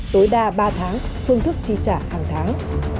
tối đa ba tháng phương thức chi trả hàng tháng